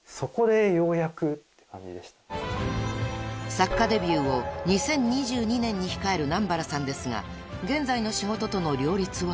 ［作家デビューを２０２２年に控える南原さんですが現在の仕事との両立は？］